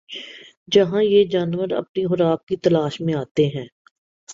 جہاں یہ جانور اپنی خوراک کی تلاش میں آتے ہیں